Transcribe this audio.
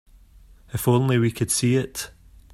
If only we could see it.